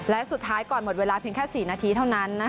และสุดท้ายก่อนหมดเวลาเพียงแค่๔นาทีเท่านั้น